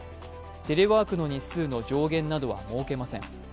テレワークの日数の上限などは設けません。